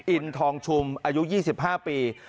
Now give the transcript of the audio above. อินทองชุมอายุ๒๕ปี